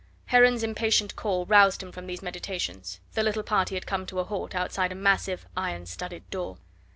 Heron's impatient call roused him from these meditations. The little party had come to a halt outside a massive iron studded door.